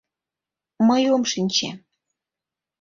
Мый ом шинче...